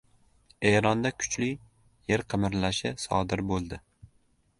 Eronda kuchli yer qimirlashi sodir bo‘ldi